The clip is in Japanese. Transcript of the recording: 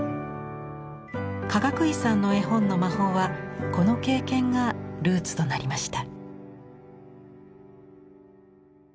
かがくいさんの絵本の魔法はこの経験がルーツとなりました。